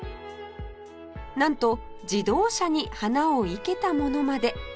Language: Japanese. なんと自動車に花を生けたものまで